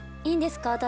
いいんですか？